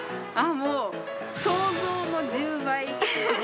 もう、想像の１０倍。